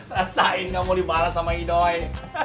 rasain nggak mau dibalas sama idoi